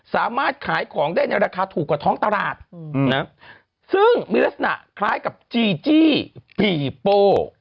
สามารถขายของได้ในราคาถูกกว่าท้องตลาดซึ่งมีลักษณะคล้ายกับจีจี้ผีโป้